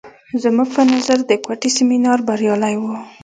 زموږ په نظر د کوټې سیمینار بریالی و.